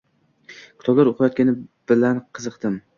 Kitoblar o‘qiyotgani bilan qiziqdim.